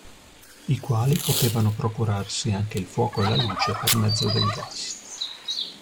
I quali potevano procurarsi anche il fuoco e la luce per mezzo del gas.